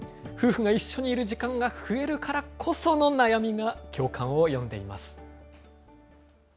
夫婦が一緒にいる時間が増えるからこその悩みが、共感を呼んでいます。